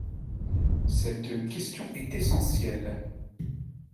Cette question est essentielle.